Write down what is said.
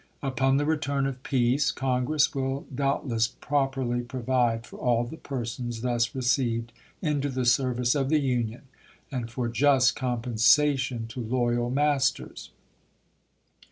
.. Upon the return of peace, Congress will doubt less properly provide for aU the persons thus received THE CONTRABAND 395 into the service of the Uniou, and for just compensation ch. xxii. to loyal masters.